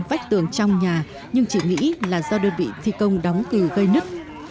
vách tường trong nhà nhưng chỉ nghĩ là do đơn vị thi công đóng cử gây nứt